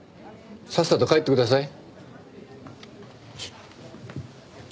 さっさと帰ってください。